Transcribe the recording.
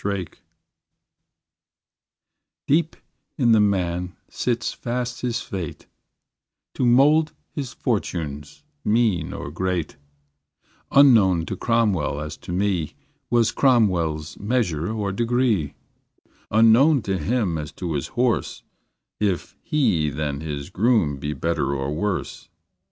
FATE Deep in the man sits fast his fate To mould his fortunes, mean or great: Unknown to Cromwell as to me Was Cromwell's measure or degree; Unknown to him as to his horse, If he than his groom be better or worse.